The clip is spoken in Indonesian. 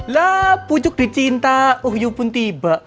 lah pucuk dicinta